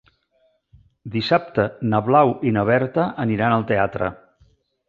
Dissabte na Blau i na Berta aniran al teatre.